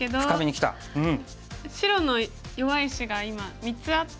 白の弱い石が今３つあって。